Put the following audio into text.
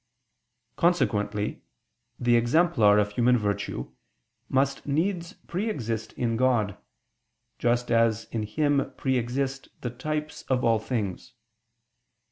Consequently the exemplar of human virtue must needs pre exist in God, just as in Him pre exist the types of all things.